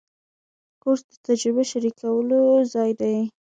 کورس د تجربه شریکولو ځای دی.